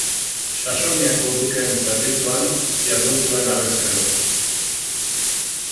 Saxoniako dukeen zerbitzuan jardun zuen harrezkero.